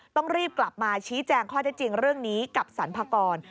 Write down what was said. ต้องรีบกลับมาชี้แจงข้อได้จริงเรื่องนี้กับสรรพากร